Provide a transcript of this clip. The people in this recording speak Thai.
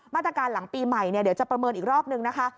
หลังปีใหม่เดี๋ยวจะประเมินอีกรอบนึงนะคะ